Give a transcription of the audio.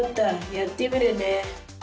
やってみるね。